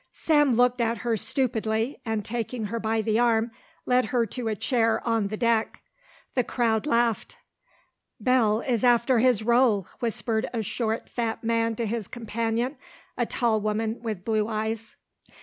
Sam looked at her stupidly and taking her by the arm led her to a chair on the deck. The crowd laughed. "Belle is after his roll," whispered a short, fat man to his companion, a tall woman with blue eyes.